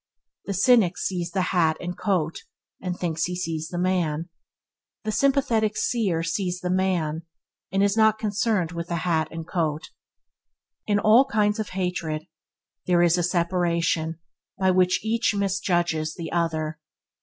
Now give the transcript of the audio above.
The cynic sees the hat and coat, and thinks he sees the man. The sympathetic seer sees the man, and is not concerned with the hat and coat. In all kinds of hatred there is a separation by which each misjudges the other.